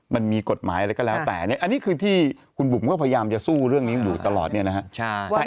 มันมีกฎหมายอะไรก็แล้วแต่เนี่ยอันนี้คือที่คุณบุ๋มก็พยายามจะสู้เรื่องนี้อยู่ตลอดเนี่ยนะฮะ